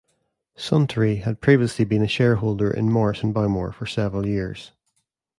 Suntory had previously been a shareholder in Morrison Bowmore for several years.